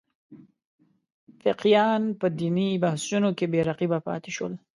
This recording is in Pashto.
فقیهان په دیني بحثونو کې بې رقیبه پاتې شول.